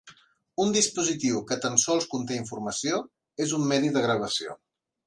Un dispositiu que tan sols conté informació és un medi de gravació.